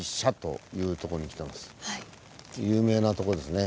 有名なとこですね。